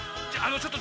ちょっと！